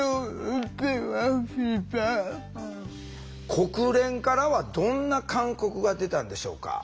国連からはどんな勧告が出たんでしょうか？